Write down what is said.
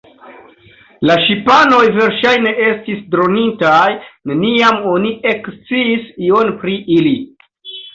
La ŝipanoj verŝajne estis dronintaj, neniam oni eksciis ion pri ili.